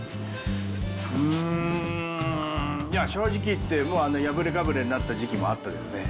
うーん、いや、正直言って、もう破れかぶれになった時期もあったですね。